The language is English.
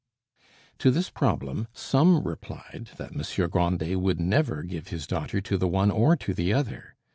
To this problem some replied that Monsieur Grandet would never give his daughter to the one or to the other.